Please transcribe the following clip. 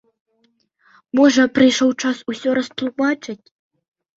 Можа, прыйшоў час усё растлумачыць?